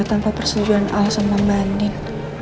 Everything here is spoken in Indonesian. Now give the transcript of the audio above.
tanpa persetujuan al sama mbak nien